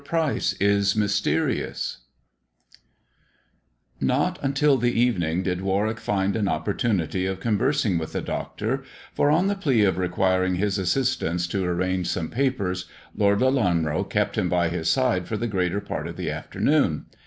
PRYCE IS MYSTERIOUS VrOT until the evening did Warwick find an opportunity li of conversing with the doctor, for on the plea of requiring his assistance to arrange some papers, Lord Lelanro kept him by his side for the greater part of the afternoon.